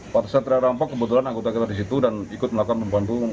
pada saat teriak rampok kebetulan anggota kita disitu dan ikut melakukan pembantu